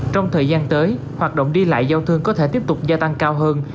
trong thời gian tới hoạt động đi lại giao thương có thể tiếp tục gia tăng cao hơn